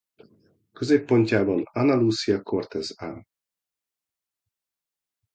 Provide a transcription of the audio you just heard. Középpontjában Ana Lucía Cortez áll.